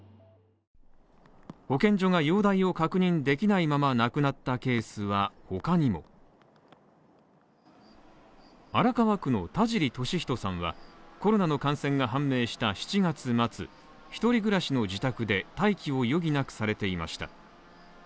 保健所が容体を確認できないまま亡くなったケースは他にも荒川区の田尻敏仁さんはコロナの感染が判明した７月末、１人暮らしの自宅で待機を余儀なくされていました。